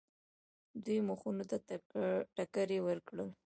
دوی مخونو ته ټکرې ورکړل.